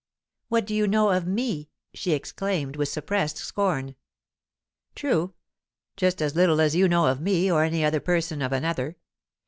"What do you know of me?" she exclaimed, with suppressed scorn. "True. Just as little as you know of me, or any one person of any other.